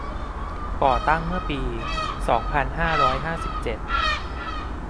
ก่อตั้งเมื่อปี สองพันห้าร้อยห้าสิบเจ็ด